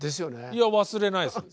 いや忘れないです。